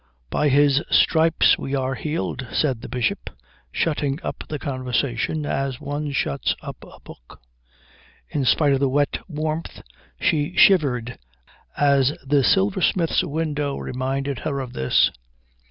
"By His stripes we are healed," said the Bishop, shutting up the conversation as one shuts up a book. In spite of the wet warmth she shivered as the silversmith's window reminded her of this.